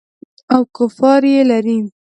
او کفار یې لري.